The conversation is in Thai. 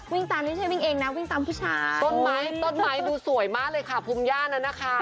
วิ่งตามไม่ใช่วิ่งเองนะวิ่งตามผู้ชายต้นไม้ต้นไม้ดูสวยมากเลยค่ะภูมิย่านนั้นนะคะ